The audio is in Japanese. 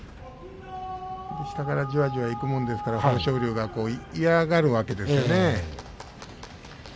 下からじわじわいくもんですから豊昇龍が嫌がるわけですよね。